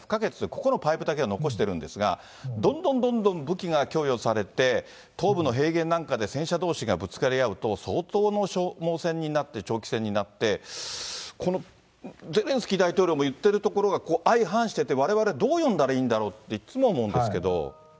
ここのパイプだけは残してるんですが、どんどんどんどん武器が供与されて、東部の平原なんかで戦車どうしがぶつかり合うと、相当の消耗戦になって、長期戦になって、このゼレンスキー大統領も言ってるところが相反してて、われわれどう読んだらいいんだろうと、いつも思うんですけど。